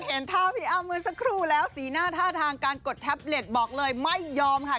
เห็นท่าพี่อ้ำเมื่อสักครู่แล้วสีหน้าท่าทางการกดแท็บเล็ตบอกเลยไม่ยอมค่ะ